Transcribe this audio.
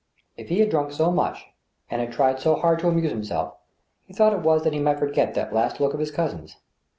If he had drunk so much and had tried so hard to amuse himself, he thought it was that he might forget that last look of his cousin's.